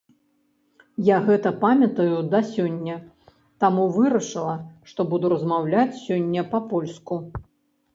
Я гэта памятаю да сёння, таму вырашыла, што буду размаўляць сёння па-польску.